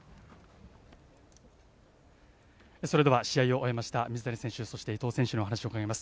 それでは試合を終えました、水谷選手そして伊藤選手にお話を伺います。